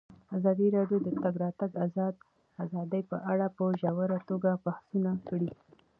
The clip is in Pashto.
ازادي راډیو د د تګ راتګ ازادي په اړه په ژوره توګه بحثونه کړي.